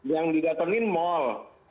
yang didatengin mal